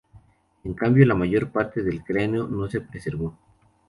En cambio la mayor parte del cráneo no se preservó.